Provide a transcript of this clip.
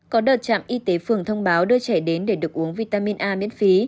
có đợt trạm y tế phường thông báo đưa trẻ đến để được uống vitamin a miễn phí